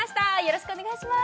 ろくしくお願いします